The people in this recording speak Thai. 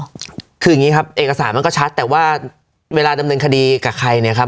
คืออย่างนี้ครับเอกสารมันก็ชัดแต่ว่าเวลาดำเนินคดีกับใครเนี่ยครับ